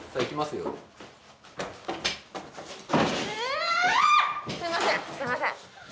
すいません。